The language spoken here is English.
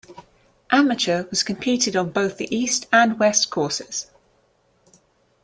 Amateur was competed on both the East and West Courses.